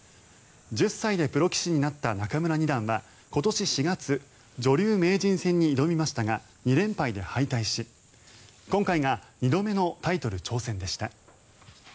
１０歳でプロ棋士になった仲邑二段は今年４月女流名人戦に挑みましたが２連敗で敗退し、今回が２度目のタイトル挑戦でした。